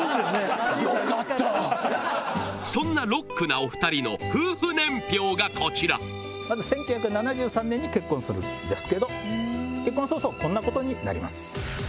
そんなロックなお２人の夫婦年表がこちらまず１９７３年に結婚するんですけど結婚早々こんなことになります。